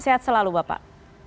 sehat selalu bapak